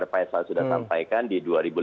faisal sudah sampaikan di dua ribu lima belas